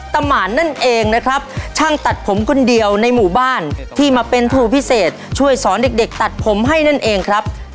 หมานนั่นเองนะครับช่างตัดผมคนเดียวในหมู่บ้านที่มาเป็นครูพิเศษช่วยสอนเด็กเด็กตัดผมให้นั่นเองครับ